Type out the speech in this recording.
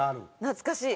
懐かしい。